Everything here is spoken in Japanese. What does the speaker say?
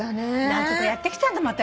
何とかやってきたんだもん